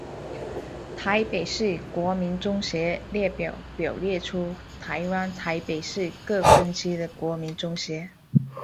台北市国民中学列表表列出台湾台北市各分区的国民中学。